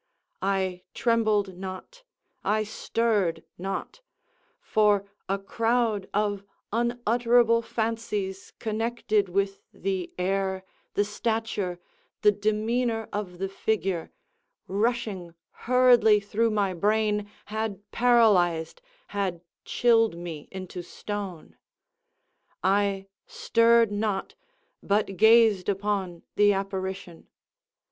I trembled not—I stirred not—for a crowd of unutterable fancies connected with the air, the stature, the demeanor of the figure, rushing hurriedly through my brain, had paralyzed—had chilled me into stone. I stirred not—but gazed upon the apparition.